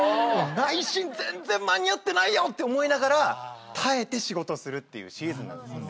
内心「全然間に合ってないよ！」って思いながら耐えて仕事するっていうシーズンなんですね。